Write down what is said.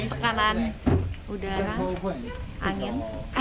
karena sekarang udara angin